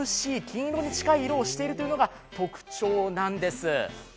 金色に近い色をしているというのが特徴なんです。